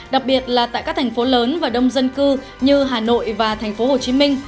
đặc biệt là tại các thành phố lớn và đông dân cư như hà nội và tp hcm